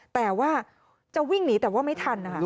แต่ว่าจะวิ่งหนีแต่ว่าไม่ทันนะคะ